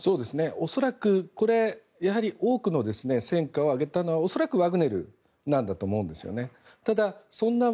恐らく、やはり多くの戦果を挙げたのはワグネルなんだと思うんですよね。